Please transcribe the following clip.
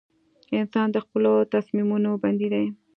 • انسان د خپلو تصمیمونو بندي دی.